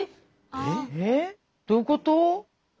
えっ？どういうこと？